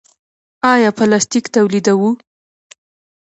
آیا پلاستیک تولیدوو؟